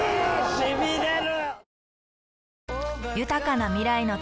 しびれる！